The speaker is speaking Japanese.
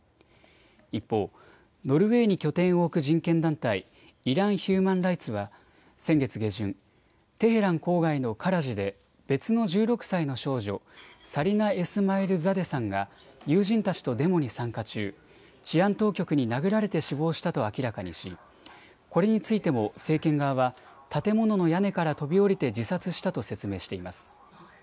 一方、ノルウェーに拠点を置く人権団体、イラン・ヒューマン・ライツは先月下旬、テヘラン郊外のカラジで別の１６歳の少女、サリナ・エスマイルザデさんが友人たちとデモに参加中、治安当局に殴られて死亡したと明らかにしこれについても政権側は建物の屋根から飛び降りて自殺したと説明しています。